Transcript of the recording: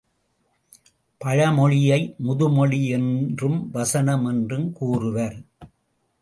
பழமொழியை முதுமொழி என்றும் வசனம் என்றும் கூறுவர்.